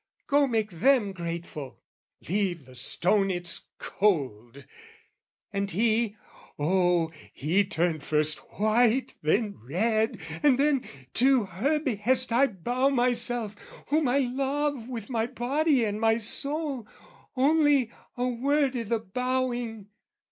"'Go make them grateful, leave the stone its cold!' "And he oh, he turned first white and then red, "And then 'To her behest I bow myself, "'Whom I love with my body and my soul: "'Only, a word i' the bowing!